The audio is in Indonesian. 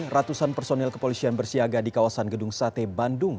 ratusan personil kepolisian bersiaga di kawasan gedung sate bandung